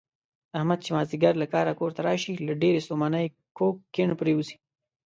احمد چې مازدیګر له کاره کورته راشي، له ډېرې ستومانۍ کوږ کیڼ پرېوځي.